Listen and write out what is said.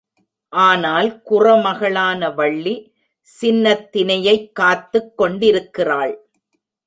ஆனால் குறமகளான வள்ளி சின்னத் தினையைக் காத்துக் கொண்டிருக்கிறாள்.